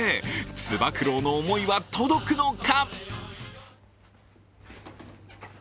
つば九郎の思いは届くのか。